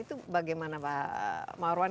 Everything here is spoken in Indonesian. itu bagaimana pak marwan